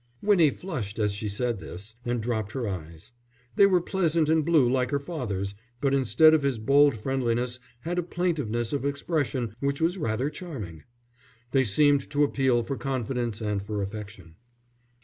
Winnie flushed as she said this, and dropped her eyes. They were pleasant and blue like her father's, but instead of his bold friendliness had a plaintiveness of expression which was rather charming. They seemed to appeal for confidence and for affection.